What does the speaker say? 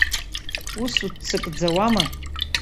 Ус уццакӡауама?